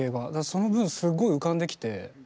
その分すっごい浮かんできて。